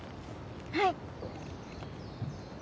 はい。